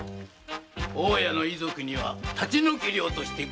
大家の遺族には立ち退き料として五十両払った。